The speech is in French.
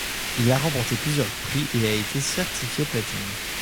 Il a remporté plusieurs prix et a été certifié platine.